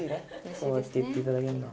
そうやって言っていただけるの。